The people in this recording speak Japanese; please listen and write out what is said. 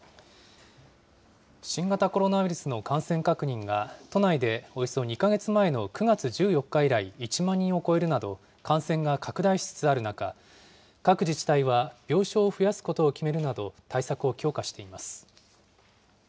新型コロナウイルスの感染確認が都内でおよそ２か月前の９月１４日以来、１万人を超えるなど、感染が拡大しつつある中、各自治体は病床を増やすことを決めるなど、対策を強化しています。